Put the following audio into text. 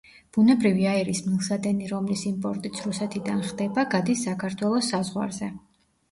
ბუნებრივი აირის მილსადენი რომლის იმპორტიც რუსეთიდან ხდება, გადის საქართველოს საზღვარზე.